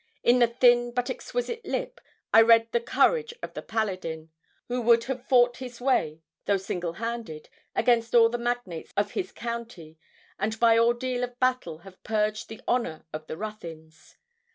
In the thin but exquisite lip I read the courage of the paladin, who would have 'fought his way,' though single handed, against all the magnates of his county, and by ordeal of battle have purged the honour of the Ruthyns.